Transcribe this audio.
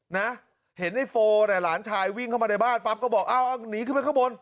นะเห็นในโฟเนี่ยหลานชายวิ่งเข้ามาในบ้านปั๊บก็บอกอ้าวหนีขึ้นไปข้างบน